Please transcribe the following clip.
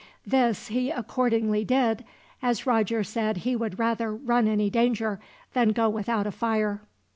This he accordingly did, as Roger said he would rather run any danger than go without a fire.